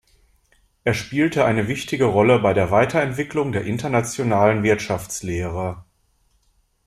Er spielte eine wichtige Rolle bei der Weiterentwicklung der internationalen Wirtschaftslehre.